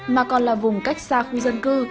mà còn là vùng cách xa khu dân cư